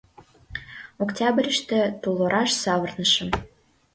Октябрьыште тулораш савырнышым.